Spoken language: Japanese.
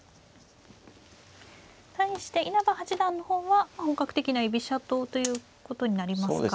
対して稲葉八段の方は本格的な居飛車党ということになりますか。